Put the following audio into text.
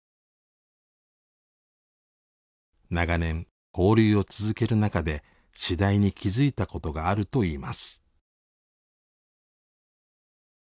長年交流を続ける中で次第に気付いたことがあるといいます。